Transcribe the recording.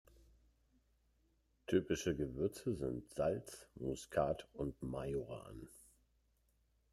Typische Gewürze sind Salz, Muskat und Majoran.